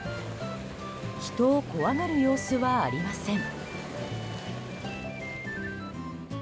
人を怖がる様子はありません。